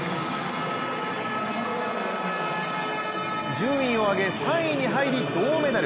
順位を上げ３位に入り銅メダル。